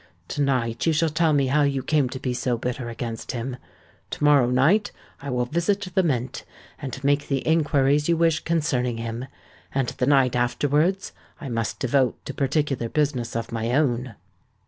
To night you shall tell me how you came to be so bitter against him: to morrow night I will visit the Mint, and make the inquiries you wish concerning him; and the night afterwards I must devote to particular business of my own."